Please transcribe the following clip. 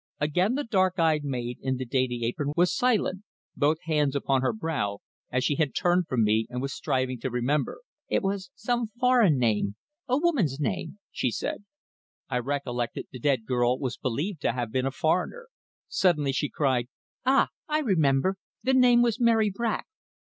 Again the dark eyed maid in the dainty apron was silent both hands upon her brow, as she had turned from me and was striving to remember. "It was some foreign name a woman's name," she said. I recollected the dead girl was believed to have been a foreigner! Suddenly she cried "Ah, I remember! The name was Mary Brack."